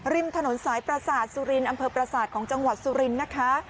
ริมถนนสายประสาทสุรินอำเภอประสาทของจังหวัดสุรินทร์นะคะ